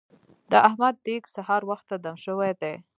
د احمد دېګ سهار وخته دم شوی دی.